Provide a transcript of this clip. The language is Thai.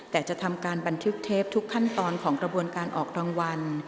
แต่จะทำการบันทึกเทปทุกขั้นตอนของกระบวนการออกรางวัล